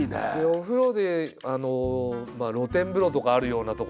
お風呂で露天風呂とかあるような所